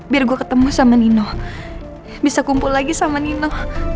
biar gue ketemu sama nino bisa kumpul lagi sama nino